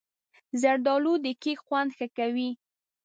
زردالو د کیک خوند ښه کوي.